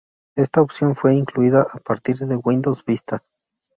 Esta opción fue incluida a partir de Windows Vista.